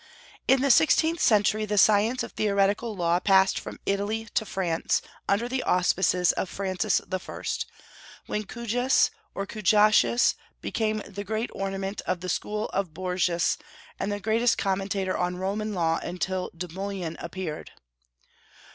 In the sixteenth century the science of theoretical law passed from Italy to France, under the auspices of Francis I., when Cujas, or Cujacius, became the great ornament of the school of Bourges and the greatest commentator on Roman law until Dumoulin appeared.